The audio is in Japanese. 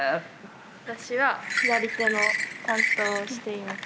私は左手の担当をしています。